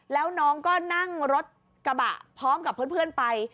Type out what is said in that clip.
แล้วน้องก็นั่งรถกระบะพร้อมกับเพื่อนไป